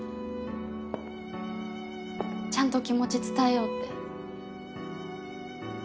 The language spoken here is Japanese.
ちゃんと気持ち伝えようって。